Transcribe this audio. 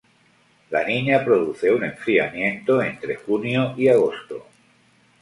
La Niña produce un enfriamiento entre junio y agosto.